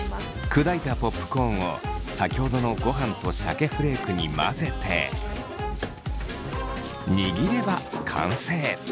砕いたポップコーンを先ほどのごはんとシャケフレークに混ぜてにぎれば完成。